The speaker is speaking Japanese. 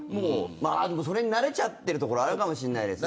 それに、慣れちゃってるところあるかもしれないですね。